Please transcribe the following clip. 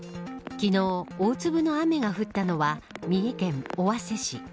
昨日、大粒の雨が降ったのは三重県尾鷲市。